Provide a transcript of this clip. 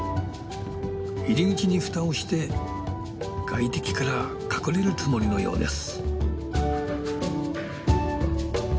入り口に蓋をして外敵から隠れるつもりのようです。